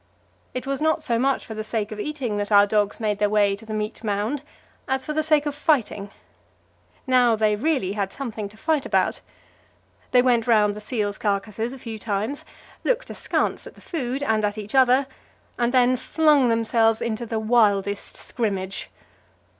It was not so much for the sake of eating that our dogs made their way to the meat mound, as for the sake of fighting. Now they really had something to fight about. They went round the seals' carcasses a few times, looked askance at the food and at each other, and then flung themselves into the wildest scrimmage.